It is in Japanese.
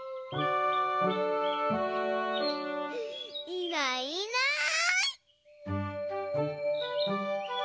いないいない。